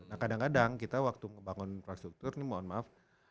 nah kadang kadang kita waktu ngebangun infrastruktur ini mohon maaf